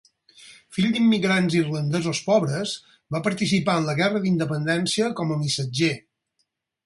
Fill d'immigrants irlandesos pobres, va participar en la guerra d'independència com a missatger.